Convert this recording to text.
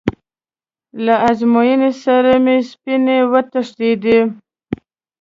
له ازموینې سره مې سپینې وتښتېدې.